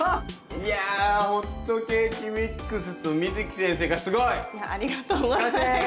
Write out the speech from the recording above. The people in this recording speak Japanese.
いやホットケーキミックスとＭｉｚｕｋｉ先生がすごい！いやありがとうございます。